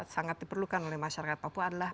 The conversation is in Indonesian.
sangat diperlukan oleh masyarakat papua adalah